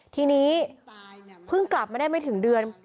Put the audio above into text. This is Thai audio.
ทีนี้เพิ่งกลับมาได้ไม่ถึงเดือน